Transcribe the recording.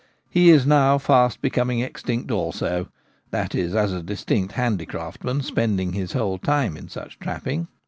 He is now fast becoming extinct also — that is, as a distinct handi craftsman spending his whole time in such trapping.